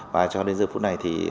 và cho đến giờ phút này thì